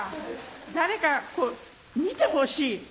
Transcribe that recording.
誰かこう見てほしい。